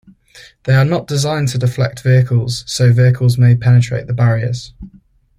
They are not designed to deflect vehicles, so vehicles may penetrate the barriers.